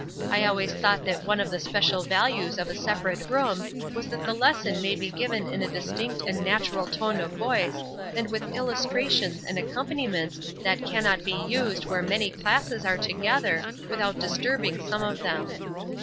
I always thought that one of the special values of a separate room was that the lesson may be given in a distinct and natural tone of voice, and with illustrations and accompaniments that cannot be used, where many classes are together, without disturbing some of them.